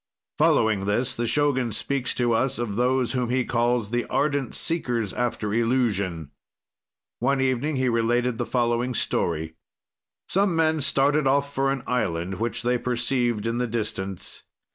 Following this, the Shogun speaks to us of those whom he calls the ardent seekers after illusion. One evening he related the following story: "Some men started off for an island, which they perceived in the distance.